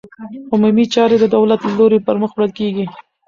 عمومي چارې د دولت له لوري پرمخ وړل کېږي.